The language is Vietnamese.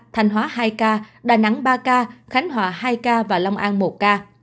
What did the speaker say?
thanh hóa hai ca đà nẵng ba ca khánh hòa hai ca và long an một ca